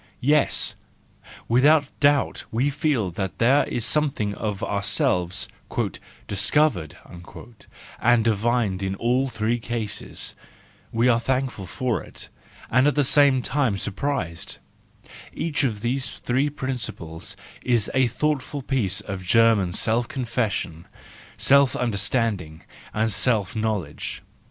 Yes, without doubt we feel that there is something of ourselves " discovered " and divined in all three cases; we are thankful for it, and at the same time surprised; each of these three principles is a thoughtful piece of German self confession, self understanding, and self know¬ ledge.